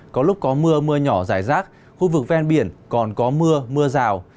có lúc có mưa mưa nhỏ rải rác khu vực ven biển còn có mưa mưa rào